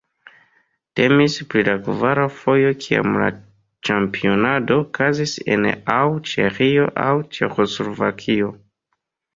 Temis pri la kvara fojo kiam la ĉampionado okazis en aŭ Ĉeĥio aŭ Ĉeĥoslovakio.